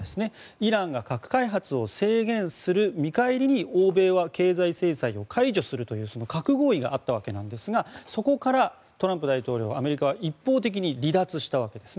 イランが核開発を制限する見返りに欧米は経済制裁を解除するという核合意があったわけですがそこからトランプ前大統領アメリカは一方的に離脱したんです。